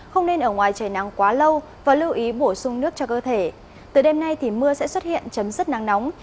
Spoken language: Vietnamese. không nên ở ngoài trời nắng quá lâu và lưu ý bổ sung nước cho cơ thể từ đêm nay thì mưa sẽ xuất hiện chấm dứt nắng nóng